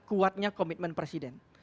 kuatnya komitmen presiden